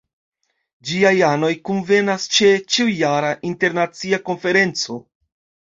Ĝiaj anoj kunvenas ĉe ĉiujara Internacia Konferenco.